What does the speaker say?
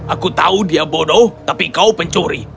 aku tahu dia bodoh tapi kau pencuri